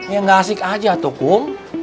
ya gak asik aja tuh kum